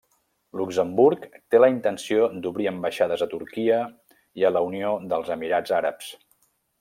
Luxemburg té la intenció d'obrir ambaixades a Turquia i a la Unió dels Emirats Àrabs.